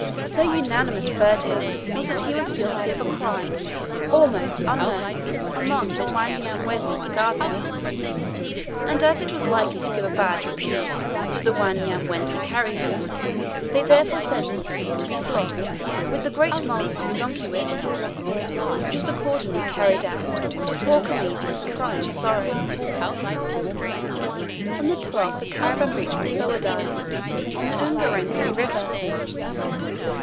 Their unanimous verdict was that he was guilty of a crime almost unknown among the Wanyamwezi pagazis, and as it was likely to give bad repute to the Wanyamwezi carriers, they therefore sentenced him to be flogged with the "Great Master's" donkey whip, which was accordingly carried out, to poor Khamisi's crying sorrow. On the 12th the caravan reached Mussoudi, on the Ungerengeri river.